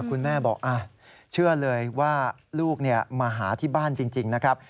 คุณแม่บอกเชื่อเลยว่าลูกมาหาที่บ้านจริงนะครับ